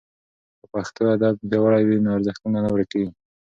که پښتو ادب پیاوړی وي نو ارزښتونه نه ورکېږي.